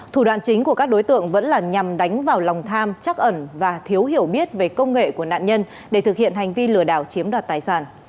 thủ đoạn chính của các đối tượng vẫn là nhằm đánh vào lòng tham chắc ẩn và thiếu hiểu biết về công nghệ của nạn nhân để thực hiện hành vi lừa đảo chiếm đoạt tài sản